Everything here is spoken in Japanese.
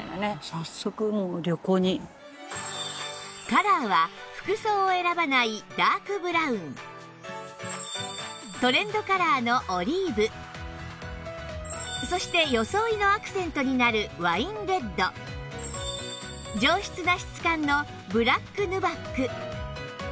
カラーは服装を選ばないダークブラウントレンドカラーのオリーブそして装いのアクセントになるワインレッド上質な質感のブラックヌバック